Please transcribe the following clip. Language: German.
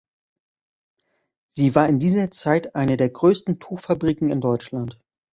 Sie war in dieser Zeit eine der größten Tuchfabriken in Deutschland.